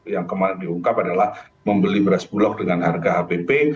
yang kemarin diungkap adalah membeli beras bulog dengan harga hpp